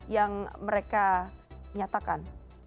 yang mereka nyatakan